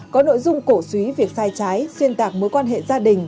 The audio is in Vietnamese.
có nội dung cổ suý việc sai trái xuyên tạc mối quan hệ gia đình